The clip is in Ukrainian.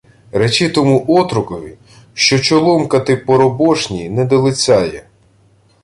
— Речи тому отрокові, що чоломкати поробошні не до лиця є.